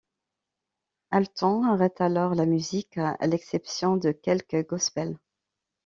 Alton arrête alors la musique, à l'exception de quelques gospels.